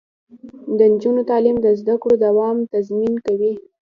د نجونو تعلیم د زدکړو دوام تضمین کوي.